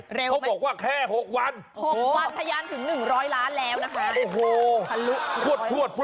เขาบอกว่าแค่๖วัน๖วันทะยานถึง๑๐๐ล้านแล้วนะคะ